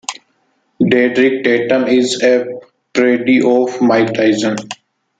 Drederick Tatum is a parody of Mike Tyson.